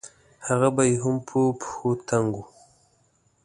هغه به يې هم په پښو تنګ وو.